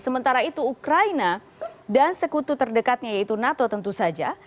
sementara itu ukraina dan sekutu terdekatnya yaitu nato tentu saja